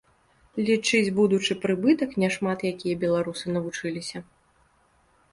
Лічыць будучы прыбытак няшмат якія беларусы навучыліся.